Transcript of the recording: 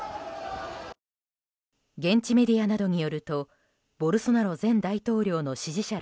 現地メディアなどによるとボルソナロ前大統領の支持者ら